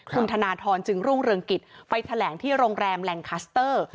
คุณธนทรจึงรุ่งเรืองกิจไปแถลงที่โรงแรมแหล่งคัสเตอร์